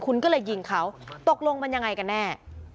คุณก็เลยยิงเขาตกลงมันยังไงกันแน่